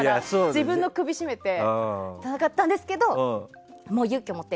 自分の首絞めてたんですけど勇気を持って、